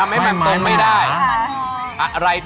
มันทำให้มันตรงไม่ได้